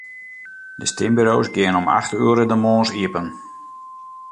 De stimburo's geane om acht oere de moarns iepen.